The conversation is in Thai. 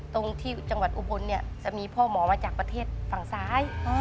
ตรงที่จังหวัดอุบลเนี่ยจะมีพ่อหมอมาจากประเทศฝั่งซ้าย